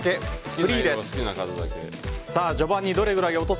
フリーです。